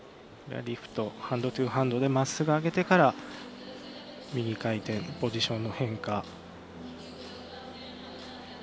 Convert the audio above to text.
リフト、ハンドトゥハンドでまっすぐ上げてから右回転、ポジションの変化。